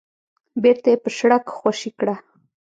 بېرته يې په شړک خوشې کړه.